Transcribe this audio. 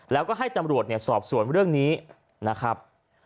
แล้วก็ให้ตำรวจสอบสวนเรื่องนี้นะครับ